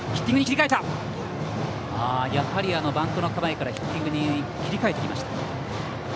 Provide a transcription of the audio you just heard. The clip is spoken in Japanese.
バントの構えからヒッティングに切り替えてきました。